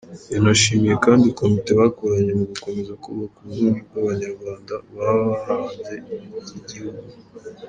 Yanashimiye kandi komite bakoranye mu gukomeza kubaka ubumwe bw’abanyarwanda baba hanze y’igihugu.